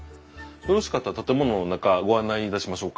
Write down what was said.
よろしかったら建物の中ご案内いたしましょうか？